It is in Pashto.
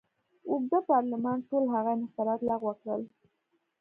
اوږد پارلمان ټول هغه انحصارات لغوه کړل.